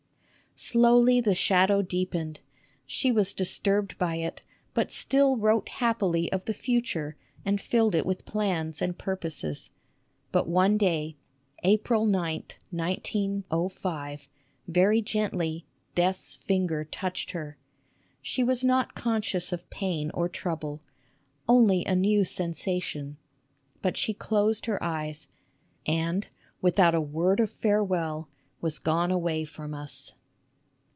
Slowly the shadow deepened. She was disturbed by it, but still wrote happily of the future and filled it with plans and purposes. But one day, April 9, 1905, very gently, Death's finger touched her. She was not conscious of pain or trouble, " only a new sen sation," but she closed her eyes, and without a word of farewell, was gone away from us.